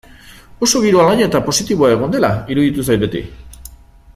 Oso giro alaia eta positiboa egon dela iruditu zait beti.